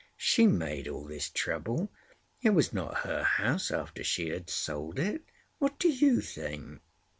She made all this trouble. It was not her house after she had sold it. What do you think?"